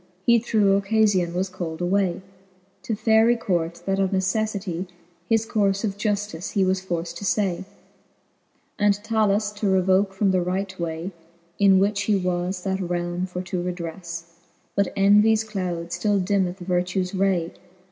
He through occalion called was away To Faery court, that of neceffity His courfe of juftice he was forft to ftay, And 'Talus to revoke from the right way, In which he was that realme for to redrefTe. But envies cloud ftill dimmeth vertues ray.